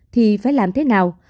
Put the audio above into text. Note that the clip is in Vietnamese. thì phải làm thế nào